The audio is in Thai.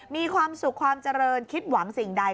มีความสุขความเจริญคิดหวังสิ่งใด